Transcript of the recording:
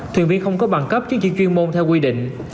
thuyền viên không có bằng cấp chứng chỉ chuyên môn theo quy định